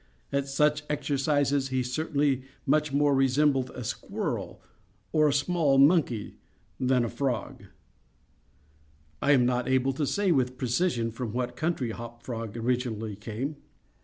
At such exercises he certainly much more resembled a squirrel, or a small monkey, than a frog. I am not able to say, with precision, from what country Hop Frog originally came.